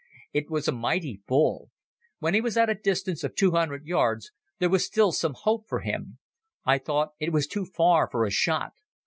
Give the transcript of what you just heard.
It was a mighty bull. When he was at a distance of two hundred yards there was still some hope for him. I thought it was too far for a shot.